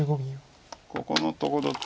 ここのところと。